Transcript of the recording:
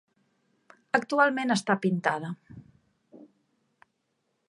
Actualment està pintada.